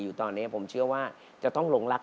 อยู่ตอนนี้ผมเชื่อว่าจะต้องหลงรัก